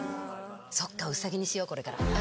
そっかウサギにしようこれから。